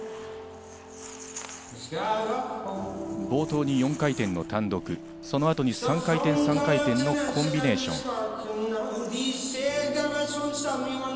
冒頭に４回転の単独、そのあとに３回転、３回転のコンビネーション。